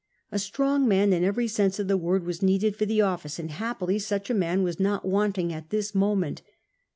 A strong man in every sense of the word was needed for the office, and happily such a man was not wanting at this moment.